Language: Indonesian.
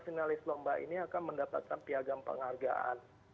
finalis lomba ini akan mendapatkan piagam penghargaan